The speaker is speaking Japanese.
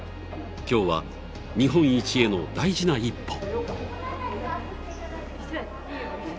今日は、日本一への大事な一歩。